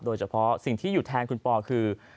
โดยเฉพาะสิ่งที่อยู่แทนคุณปอคือ